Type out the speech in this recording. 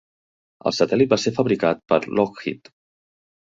El satèl·lit va ser fabricat per Lockheed.